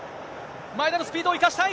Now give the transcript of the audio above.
前田のスピードを生かしたい。